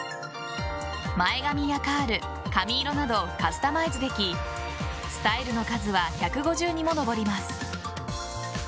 前髪やカール髪色などをカスタマイズできスタイルの数は１５０にも上ります。